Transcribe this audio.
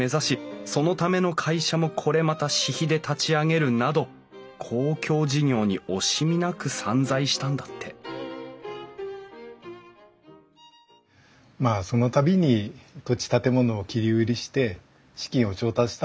そのための会社もこれまた私費で立ち上げるなど公共事業に惜しみなく散財したんだってまあその度に土地建物を切り売りして資金を調達したんだと思います。